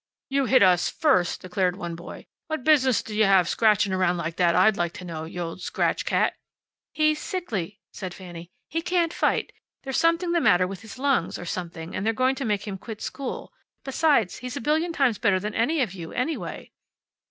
"You hit us first," declared one boy. "What business d' you have scratching around like that, I'd like to know! You old scratch cat!" "He's sickly," said Fanny. "He can't fight. There's something the matter with his lungs, or something, and they're going to make him quit school. Besides, he's a billion times better than any of you, anyway."